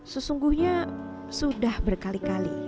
sesungguhnya sudah berkali kali